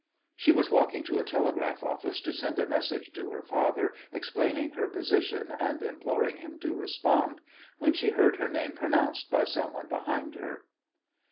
She was walking to a telegraph office to send a message to her father explaining her position and imploring him to respond, when she heard her name pronounced by some one behind her.